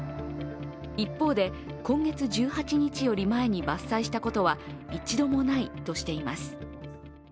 一方で、今月１８日により前に伐採したことは一度もないとしています。